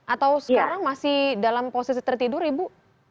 atau sekarang masih dalam posisi tertidur ibu